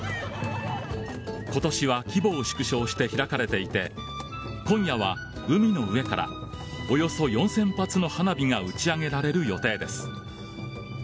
今年は規模を縮小して開かれていて今夜は海の上からおよそ４０００発の花火が打ち上げられる予定です。